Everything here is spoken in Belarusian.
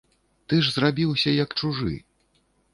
Ты ж зрабіўся, як чужы.